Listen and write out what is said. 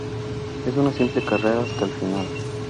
Es una simple carrera hasta el final.